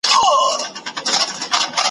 او یقین لرم چي هر چا چي ورسره پېژندل ,